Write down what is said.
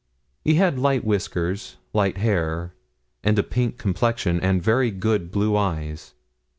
He had light whiskers, light hair, and a pink complexion, and very good blue eyes.